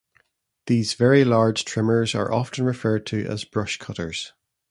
These very large trimmers are often referred to as brush cutters.